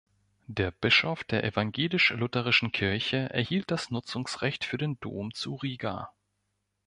Der Bischof der evangelisch-lutherischen Kirche erhielt das Nutzungsrecht für den Dom zu Riga.